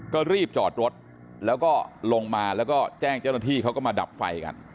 ก็รีบจอดรถแล้วก็ลงมาแล้วก็แจ้งเจ้าหน้าที่เขาก็มาดับไฟกัน